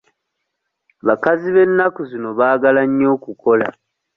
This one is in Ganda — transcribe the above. Abakazi b'ennaku zino baagala nnyo okukola.